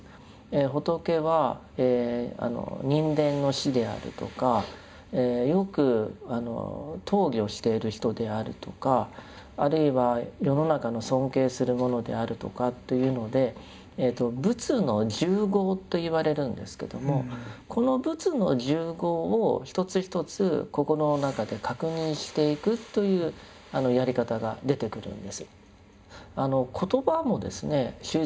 仏は人間の師であるとかよく討議をしている人であるとかあるいは世の中の尊敬するものであるとかっていうので「仏の十号」と言われるんですけどもこの仏の十号を一つ一つ心の中で確認していくというやり方が出てくるんです。